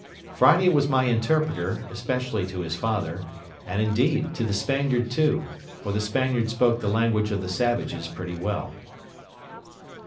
Friday was my interpreter, especially to his father, and, indeed, to the Spaniard too; for the Spaniard spoke the language of the savages pretty well.